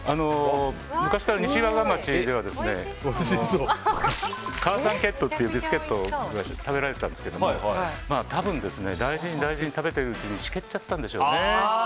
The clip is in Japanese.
昔から西和賀町ではかーさんケットというビスケットが食べられてたんですけど多分大事に大事に食べてるうちにしけっちゃったんでしょうね。